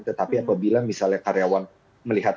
tetapi apabila misalnya karyawan melihat